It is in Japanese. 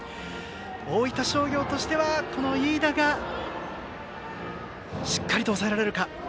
大分商業としてはこの飯田がしっかりと抑えられるか。